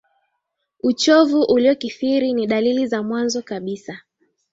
uchovu uliyokithiri ni dalili za mwanzo kabisa